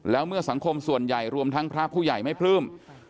แล้วเมื่อสังคมส่วนใหญ่รวมทั้งพระผู้ใหญ่ไม่ปลื้ม